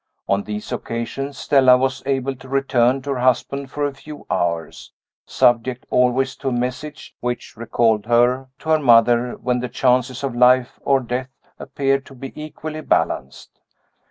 On these occasions, Stella was able to return to her husband for a few hours subject always to a message which recalled her to her mother when the chances of life or death appeared to be equally balanced.